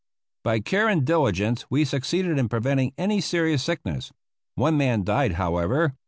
By care and diligence we succeeded in preventing any serious sickness. One man died, however.